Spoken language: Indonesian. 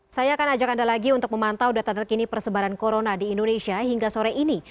saya akan ajak anda lagi untuk memantau data terkini persebaran corona di indonesia hingga sore ini